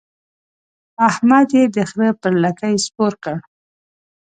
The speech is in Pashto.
احمد يې د خره پر لکۍ سپور کړ.